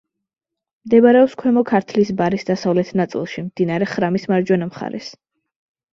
მდებარეობს ქვემო ქართლის ბარის დასავლეთ ნაწილში, მდინარე ხრამის მარჯვენა მხარეს.